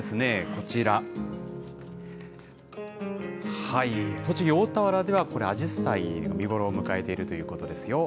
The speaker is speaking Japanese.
こちら、栃木・大田原では、これ、あじさいが見頃を迎えているということですよ。